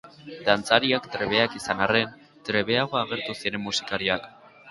Dantzariak trebeak izan arren, trebeago agertu ziren musikariak.